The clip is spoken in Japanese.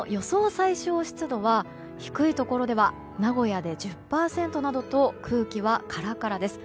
最小湿度は低いところでは名古屋で１０％などと空気はカラカラです。